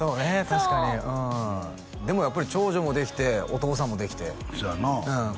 確かにそうでもやっぱり長女もできてお父さんもできてそうやな